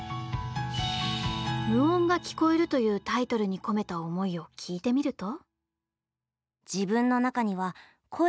「無音が聴こえる」というタイトルに込めた思いを聞いてみると。